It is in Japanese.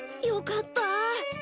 よかった！